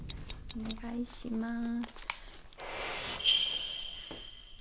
お願いします。